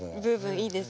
いいですか？